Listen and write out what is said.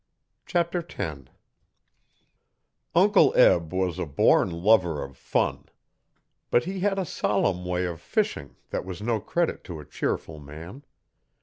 Chapter 10 Uncle Eb was a born lover of fun. But he had a solemn way of fishing that was no credit to a cheerful man.